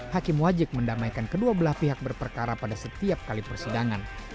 hakim wajib mendamaikan kedua belah pihak berperkara pada setiap kali persidangan